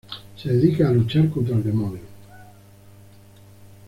Se dedica a luchar contra el demonio.